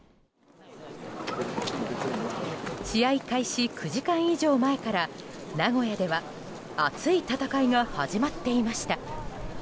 試合開始９時間以上前から名古屋では熱い戦いが始まっていました。